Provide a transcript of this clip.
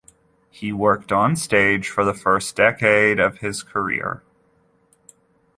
He worked on stage for the first decade of his career.